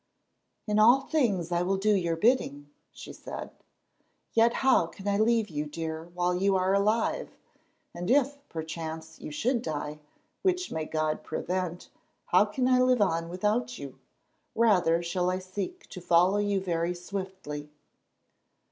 "In all things I will do your bidding," she said, "yet how can I leave you, dear, while you are alive, and if, perchance, you should die, which may God prevent, how can I live on without you? Rather shall I seek to follow you very swiftly."